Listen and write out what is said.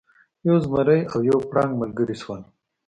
یو زمری او یو پړانګ ملګري شول.